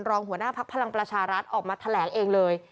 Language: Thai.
หัวหน้าพักพลังประชารัฐออกมาแถลงเองเลย